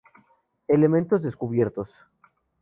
Elementos descubiertos:.